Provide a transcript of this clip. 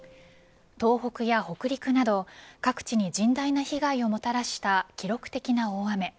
東北や北陸など各地に甚大な被害をもたらした記録的な大雨。